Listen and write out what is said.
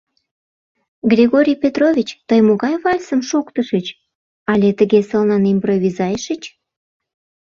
— Григорий Петрович, тый могай вальсым шоктышыч, але тыге сылнын импровизайышыч?